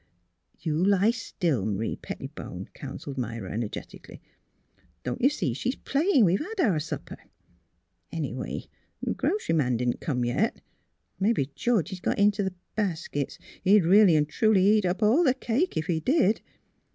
"'' You lie still, M'rie Pettibone," counselled Myra, energetically. " Don't you see she's play ing we've had our supper? 'N', anyway, the grocery man didn't come yet. Maybe Georgie's got int' the baskets. He'd really an' truly eat up all the cake if he did."